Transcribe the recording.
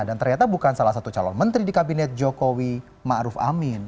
dan ternyata bukan salah satu calon menteri di kabinet jokowi ma'ruf amin